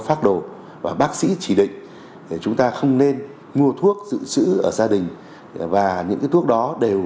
phác đồ và bác sĩ chỉ định chúng ta không nên mua thuốc dự trữ ở gia đình và những cái thuốc đó đều